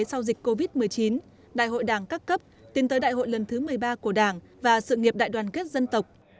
sau dịch covid một mươi chín đại hội đảng các cấp tiến tới đại hội lần thứ một mươi ba của đảng và sự nghiệp đại đoàn kết dân tộc